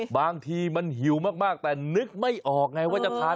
บางทีมันหิวมากแต่นึกไม่ออกไงว่าจะทาน